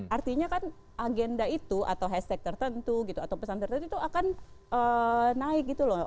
artinya kan agenda itu atau hashtag tertentu gitu atau pesan tertentu itu akan naik gitu loh